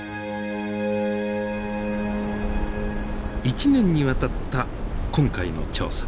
一年にわたった今回の調査。